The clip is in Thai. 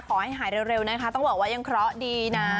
ขอให้หายเร็วนะคะต้องบอกว่ายังเคราะห์ดีนะ